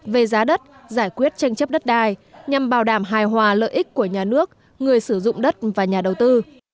về giá đất giải quyết tranh chấp đất đai nhằm bảo đảm hài hòa lợi ích của nhà nước người sử dụng đất và nhà đầu tư